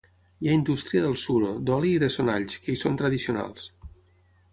Hi ha indústria del suro, d'oli i de sonalls, que hi són tradicionals.